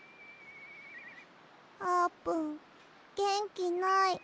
あーぷんげんきない。